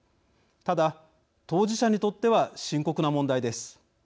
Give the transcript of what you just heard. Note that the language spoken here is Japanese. ただ、当事者にとっては深刻な問題です。